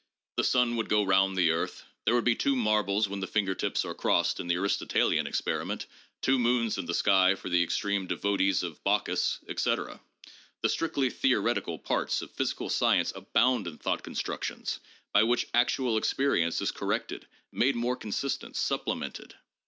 The sun would go round the earth, there would be two marbles when the finger tips are crossed in the Aristotelian experiment, two moons in the sky for the extreme devotees of Bacchus, etc. The strictly theoretical parts of physical science abound in thought constructions by which actual experience is corrected, made more consistent, supplemented.